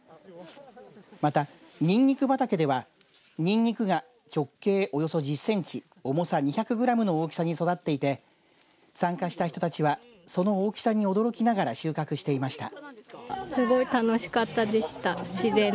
また、にんにく畑ではにんにくが直径およそ１０センチ、重さ２００グラムの大きさに育っていて参加した人たちはその大きさに驚きながら収穫していました。